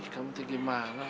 kamu tuh gimana